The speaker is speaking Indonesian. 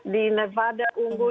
di nevada unggul